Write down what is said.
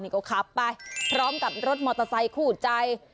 อันนี้ก็ขับไปพร้อมกับรถมอเตอร์ไซค์คู่ใจ